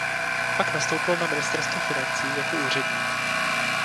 Pak nastoupil na ministerstvo financí jako úředník.